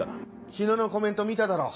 日野のコメント見ただろ。